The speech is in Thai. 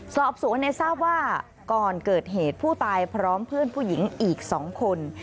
สอบสวนในทราบว่าก่อนเกิดเหตุผู้ตายพร้อมเพื่อนผู้หญิงอีก๒คน